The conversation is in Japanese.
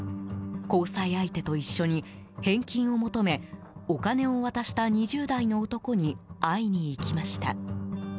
交際相手と一緒に、返金を求めお金を渡した２０代の男に会いに行きました。